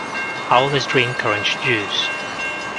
I always drink orange juice.